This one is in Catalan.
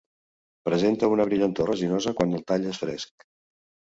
Presenta una brillantor resinosa quan el tall és fresc.